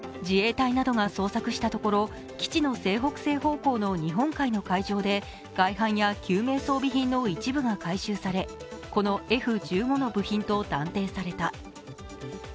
自衛隊などが捜索したところ基地の西北西方向の日本海の海上で外板や救命装備品の一部が回収され、このＦ１５の部品と断定された。